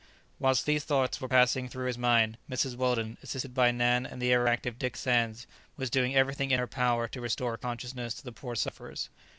Whilst these thoughts were passing through his mind, Mrs. Weldon, assisted by Nan and the ever active Dick Sands, was doing everything in her power to restore consciousness to the poor sufferers.